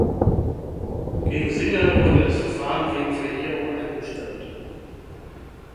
Gegen Singer wurde das Verfahren wegen Verjährung eingestellt.